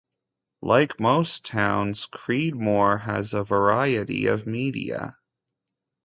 Like most towns, Creedmoor has a variety of media.